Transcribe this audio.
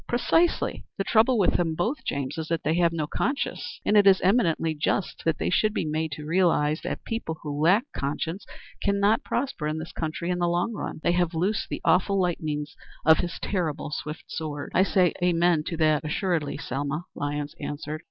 "Precisely. The trouble with them both, James, is that they have no conscience; and it is eminently just they should be made to realize that people who lack conscience cannot prosper in this country in the long run. 'They have loosed the awful lightnings of his terrible swift sword.'" "I say 'amen' to that assuredly, Selma," Lyons answered.